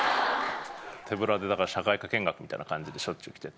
手ぶらで社会科見学みたいな感じでしょっちゅう来てて。